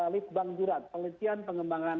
lib bangjuran pelitian pengembangan